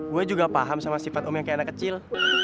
gue juga paham sama sifat om yang kayak anak kecil